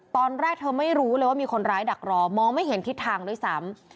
ตอนแรกเธอไม่รู้เลยว่ามีคนร้ายดักรอมองไม่เห็นทิศทางด้วยซ้ำ